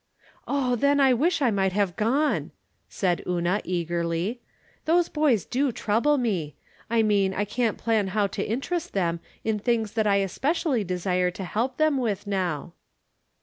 " Oh, then, I wish I might have gone," said Una, eagerly. " Those boys do trouble me. I mean I can't plan how to interest them in things that I specially desire to help them with now."